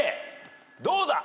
どうだ？